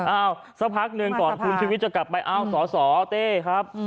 สักพักหนึ่งก่อนคุณชีวิตจะกลับไปอ้าวสสเต้ครับ